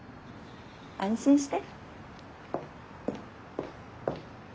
安心して。